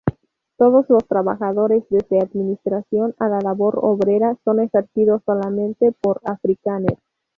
Todos los trabajos, desde administración a la labor obrera, son ejercidos solamente por afrikáner.